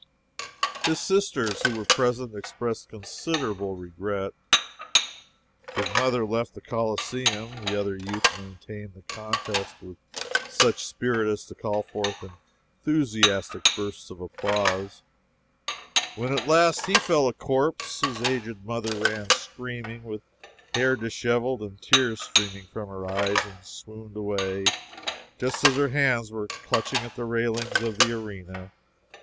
His sisters, who were present, expressed considerable regret. His mother left the Coliseum. The other youth maintained the contest with such spirit as to call forth enthusiastic bursts of applause. When at last he fell a corpse, his aged mother ran screaming, with hair disheveled and tears streaming from her eyes, and swooned away just as her hands were clutching at the railings of the arena.